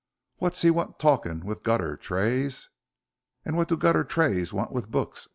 What's he want talking with gutter Trays?" "And what do gutter Trays want with books?"